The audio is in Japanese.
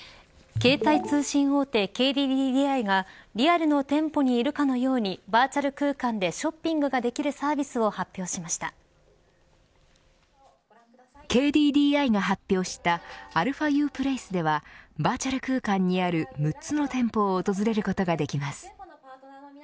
携帯通信大手ＫＤＤＩがリアルの店舗にいるかのようにバーチャル空間でショッピングがＫＤＤＩが発表したαＵｐｌａｃｅではバーチャル空間にある６つの店舗を訪れることができます。